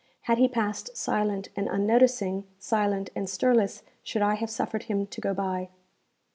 Had he passed silent and unnoticing, silent and stirless should I have suffered him to go by.